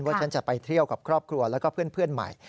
ฉันจะไปเที่ยวกับครอบครัวแล้วก็เพื่อนใหม่